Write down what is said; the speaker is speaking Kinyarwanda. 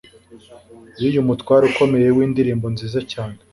y'uyu mutware ukomeye w'indirimbo nziza cyane